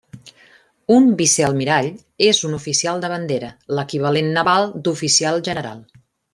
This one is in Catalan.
Un Vicealmirall és un oficial de bandera, l'equivalent naval d'Oficial General.